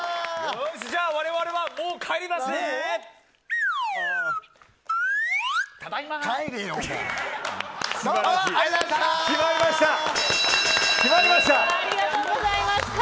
じゃあ、我々はもう帰りますね。